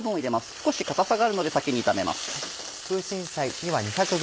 少し硬さがあるので先に炒めます。